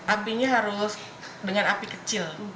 apinya harus dengan api kecil